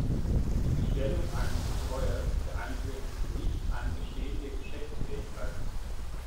Die Bestellung eines Betreuers beeinträchtigt nicht eine bestehende Geschäftsfähigkeit.